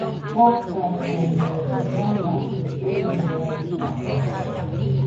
okainaiñede, naimakɨ uruiaɨsa